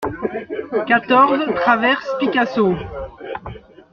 quatorze traverse Picasso